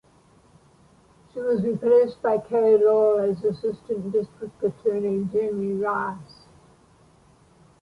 She was replaced by Carey Lowell as Assistant District Attorney Jamie Ross.